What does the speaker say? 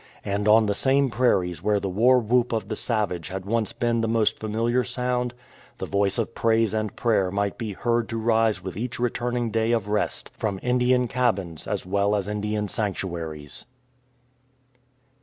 And on the P 225 A TRANSFORMATION same prairies where the war whoop of the savage had once been the most famihar sound, the voice of praise and prayer might be heard to rise with each returning Day of Rest from Indian cabins as well as Indian sanc tuaries.